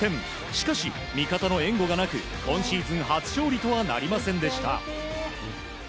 しかし、味方の援護がなく今シーズン初勝利とはなりませんでした。